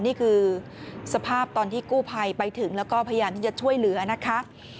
นี่คือสภาพตอนที่กู้ภัยไปถึงแล้วก็พยายามที่จะช่วยเหลือนะคะ